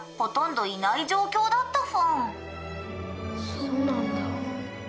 そうなんだ。